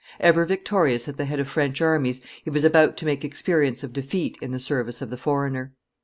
Ever victorious at the head of French armies, he was about to make experience of defeat in the service of the foreigner.